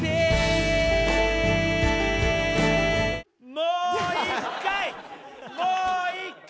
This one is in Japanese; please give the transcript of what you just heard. もう１回！